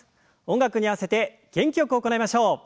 音楽に合わせて元気よく行いましょう。